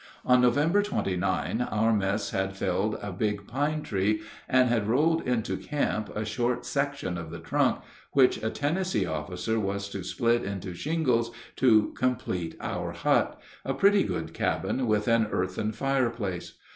On November 29 our mess had felled a big pine tree and had rolled into camp a short section of the trunk, which a Tennessee officer was to split into shingles to complete our hut, a pretty good cabin with an earthen fireplace.